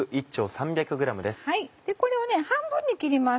これを半分に切ります。